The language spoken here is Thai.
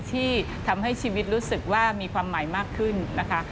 ที่ทำให้ชีวิตรู้สึกว่ามีความหมายมากขึ้นนะคะ